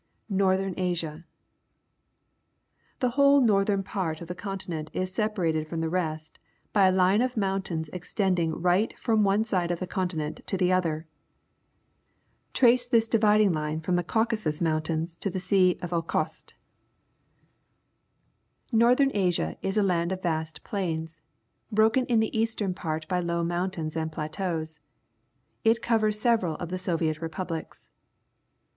Northeni Asia.^^The whole northern part of the continent is separated from the rest by a line of mountains extending right from one side of the continent to the other. Trace this dividing line from the Caucasus Moun tains to the Sea of Okhotsk. 202 ASIA 203 Northern Asia is a land of vast plains, broken in the eastern part by low mountains and plateaus. It contains several of the Soviet Republics.